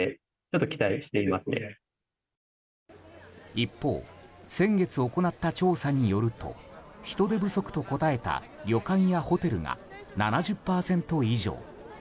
一方、先月行った調査によると人手不足と答えた旅館やホテルが７０％以上。